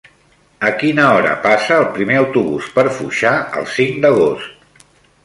A quina hora passa el primer autobús per Foixà el cinc d'agost?